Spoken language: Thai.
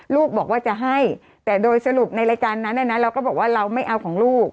ลูกบอกว่าจะให้แต่โดยสรุปในรายการนั้นเราก็บอกว่าเราไม่เอาของลูก